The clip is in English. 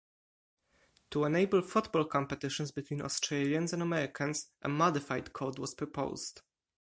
To enable football competitions between Australians and Americans, a modified code was proposed.